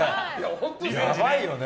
やばいね。